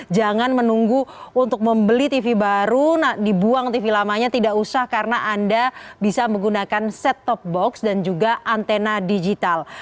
jangan menunggu untuk membeli tv baru dibuang tv lamanya tidak usah karena anda bisa menggunakan set top box dan juga antena digital